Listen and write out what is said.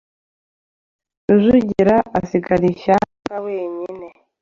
Rujugira asigara ishyanga wenyine.